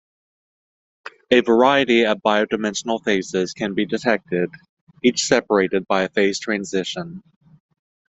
A variety of bidimensional phases can be detected, each separated by a phase transition.